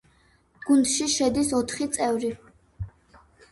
გუნდში შედის ოთხი წევრი.